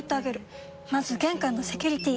まず玄関のセキュリティ！